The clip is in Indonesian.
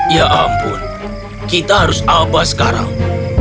ya ampun kita harus abah sekarang